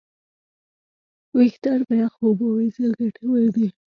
وېښتيان په یخو اوبو وینځل ګټور دي.